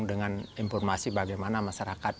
dengan informasi bagaimana masyarakatnya